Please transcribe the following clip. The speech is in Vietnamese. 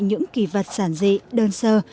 những kỳ vật sản dị đơn sơ